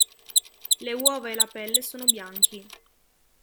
Le uova e la pelle sono bianchi.